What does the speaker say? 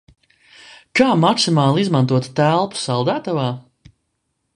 Kā maksimāli izmantot telpu saldētavā?